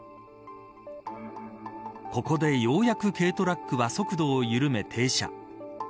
ここで、ようやく軽トラックは速度を緩め停車。